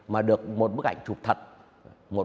mà được một bức ảnh chụp thật